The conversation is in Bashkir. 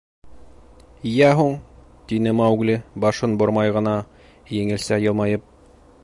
— Йә һуң, — тине Маугли башын бормай ғына, еңелсә йылмайып.